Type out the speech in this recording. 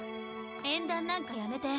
縁談なんかやめて。